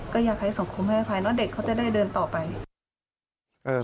ก็อยากให้สังคมให้อภัยเนอะเด็กเขาจะได้เดินต่อไป